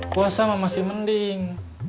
puasa mah masih mending